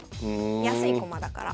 安い駒だから。